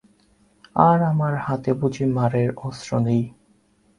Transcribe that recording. আর আমার হাতে বুঝি মারের অস্ত্র নেই?